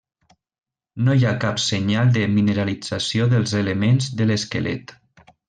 No hi ha cap senyal de mineralització dels elements de l'esquelet.